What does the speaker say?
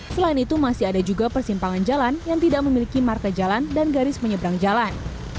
selain itu masih ada juga persimpangan jalan yang tidak memiliki marta jalan dan garis menyeberang jalan